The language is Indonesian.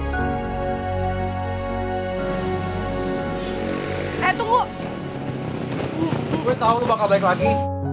gue tau lu bakal balik lagi